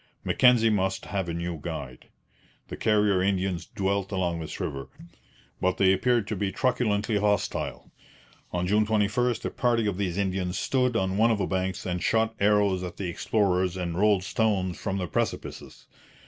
Mackenzie must have a new guide. The Carrier Indians dwelt along this river, but they appeared to be truculently hostile. On June 21 a party of these Indians stood on one of the banks and shot arrows at the explorers and rolled stones from the precipices.